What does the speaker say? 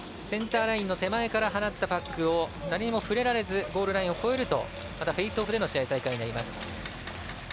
センターラインの手前から放ったパックを誰にも触れられずゴールラインを越えるとまたフェイスオフでの試合再開になります。